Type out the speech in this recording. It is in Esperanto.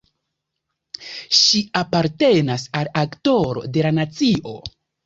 Ŝi apartenas al Aktoro de la nacio.